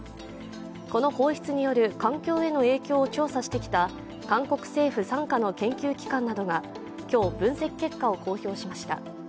この放出による環境への影響を調査してきた韓国政府傘下の研究機関などが、今日、分析結果を公表しました。